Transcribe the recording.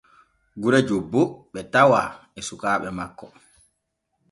Gure jobbo ɓe tawa e sukaaɓe makko.